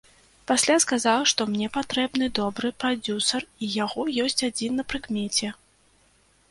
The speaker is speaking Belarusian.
Пасля сказаў, што мне патрэбны добры прадзюсар і яго ёсць адзін на прыкмеце.